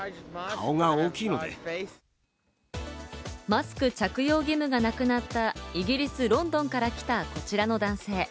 マスク着用義務がなくなったイギリス・ロンドンから来たこちらの男性。